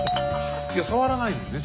いや触らないのよね